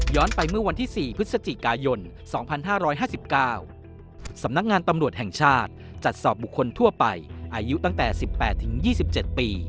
ไปเมื่อวันที่๔พฤศจิกายน๒๕๕๙สำนักงานตำรวจแห่งชาติจัดสอบบุคคลทั่วไปอายุตั้งแต่๑๘๒๗ปี